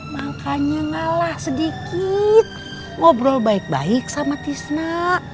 makanya ngalah sedikit ngobrol baik baik sama tisna